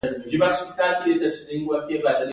د سهار رڼا هم د دوی په زړونو کې ځلېده.